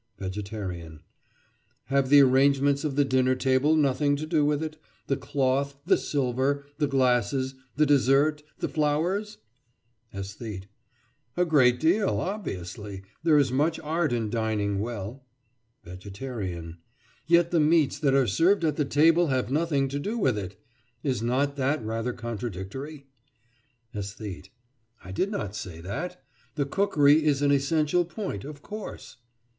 VEGETARIAN: Have the arrangements of the dinner table nothing to do with it—the cloth, the silver, the glasses, the dessert, the flowers? ÆSTHETE: A great deal, obviously. There is much art in dining well. VEGETARIAN: Yet the meats that are served at the table have nothing to do with it! Is not that rather contradictory? ÆSTHETE: I did not say that. The cookery is an essential point, of course.